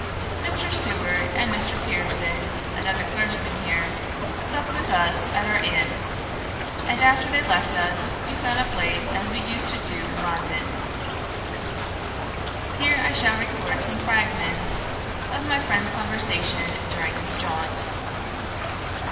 Mr. Seward and Mr. Pearson, another clergyman here, supt with us at our inn, and after they left us, we sat up late as we used to do in London. Here I shall record some fragments of my friend's conversation during this jaunt.